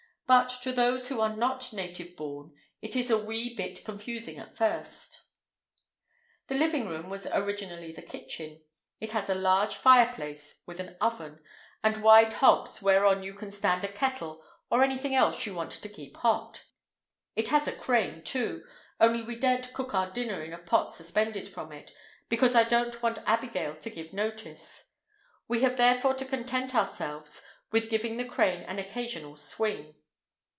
But to those who are not native born it is a wee bit confusing at first. The living room was originally the kitchen. It has a large fireplace with an oven, and wide hobs whereon you can stand a kettle or anything else you want to keep hot. It has a crane, too—only we daren't cook our dinner in a pot suspended from it, because I don't want Abigail to give notice. We have therefore to content ourselves with giving the crane an occasional swing.